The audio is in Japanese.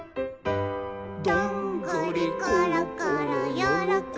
「どんぐりころころよろこんで」